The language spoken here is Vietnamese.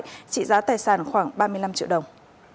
trị giá tài sản khoảng ba mươi năm triệu đồng